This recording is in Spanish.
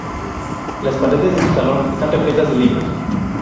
Las paredes de su salón están repletas de libros.